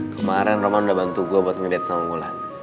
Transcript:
kemarin roman udah bantu gue buat ngedate sama mulan